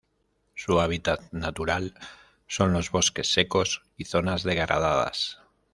Su hábitat natural son los bosques secos y zonas degradadas.